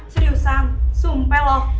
seriusan sumpah lo